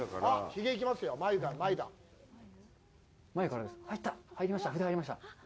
筆が入りました。